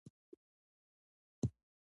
سوله د هرې سالمې ټولنې بنسټ ګڼل کېږي